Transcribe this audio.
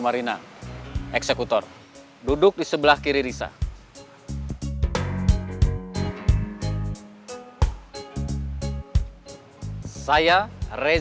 arai ara trusts itu yangeverything